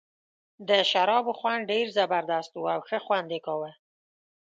د شرابو خوند ډېر زبردست وو او ښه خوند یې کاوه.